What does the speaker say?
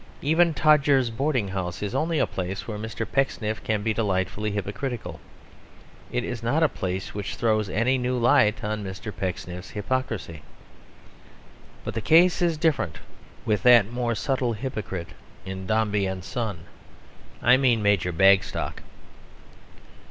Even Todgers's boarding house is only a place where Mr. Pecksniff can be delightfully hypocritical. It is not a place which throws any new light on Mr. Pecksniff's hypocrisy. But the case is different with that more subtle hypocrite in Dombey and Son I mean Major Bagstock.